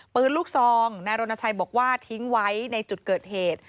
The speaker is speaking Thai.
ปืนลูกซองนายรณชัยบอกว่าทิ้งไว้ในจุดเกิดเหตุ